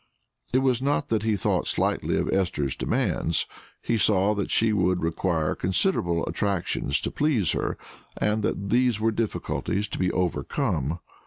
It was not that he thought slightly of Esther's demands; he saw that she would require considerable attractions to please her, and that there were difficulties to be overcome.